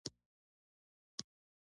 یو زلمی را وړاندې شو.